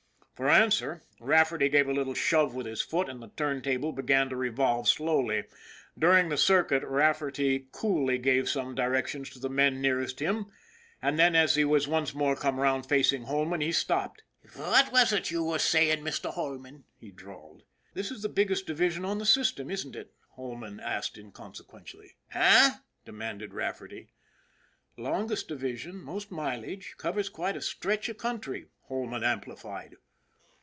For answer Rafferty gave a little shove with his foot and the turntable began to revolve slowly. Dur ing the circuit Rafferty coolly gave some directions to the men nearest him, and then as he once more came round facing Holman he stopped. " Fwhat was ut you was sayin', Mr. Holman ?" he drawled. " This is the biggest division on the system, isn't it? " Holman asked inconsequently. io ON THE IRON AT BIG CLOUD " Eh? " demanded Rafferty. " Longest division most mileage covers quite a stretch of country," Holman amplified.